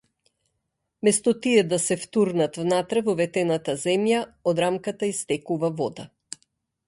Место тие да се втурнат внатре во ветената земја, од рамката истекува вода.